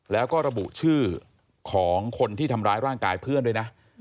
แล้วก็ระบุชื่อของคนที่ทำร้ายร่างกายเพื่อนด้วยนะ